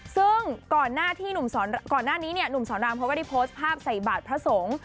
ซึ่งก่อนหน้านี้หนุ่มสอนรามเขาก็ได้โพสต์ภาพใส่บาดพระสงฆ์